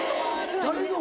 誰の？